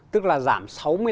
tức là giảm sáu mươi năm ba